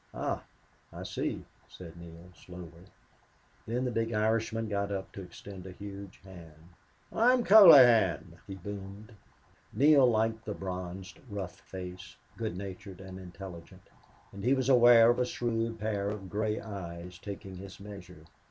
"Ah I see," said Neale, slowly. Then the big Irishman got up to extend a huge hand. "I'm Colohan," he boomed. Neale liked the bronzed, rough face, good natured and intelligent. And he was aware of a shrewd pair of gray eyes taking his measure.